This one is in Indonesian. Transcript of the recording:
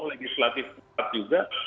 legislatif pusat juga